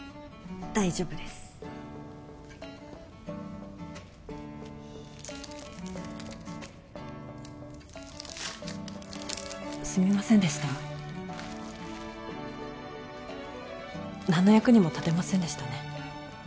大丈夫ですすみませんでした何の役にも立てませんでしたね